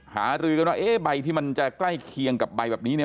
หารือก็เลยเอ๊ะไอ้ใบที่มันจะใกล้เคียงกับใบแบบนี้